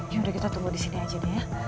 yaudah kita tunggu disini aja deh ya